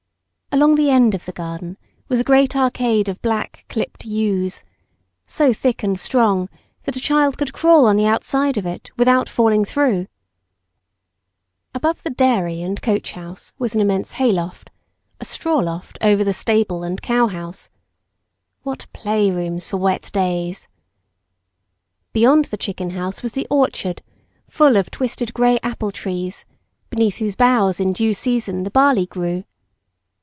Along the end of the garden was a great arcade of black, clipped yews, so thick and strong that a child could crawl on the outside of it without falling through. Above the dairy and coach house was an immense hay loft, a straw loft over the stable and cow house. What play rooms for wet days! Beyond the chicken house was the orchard, full of twisted grey apple trees, beneath whose boughs in due season the barley grew.